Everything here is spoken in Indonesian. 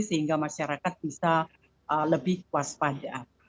sehingga masyarakat bisa lebih kuas pada